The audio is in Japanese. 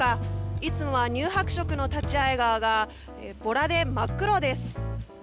いつもは乳白色の立会川がボラで真っ黒です。